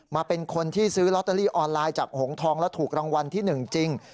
เป็นคนที่ซื้อลอตเตอรี่ออนไลน์จากหงทองแล้วถูกรางวัลที่๑จริง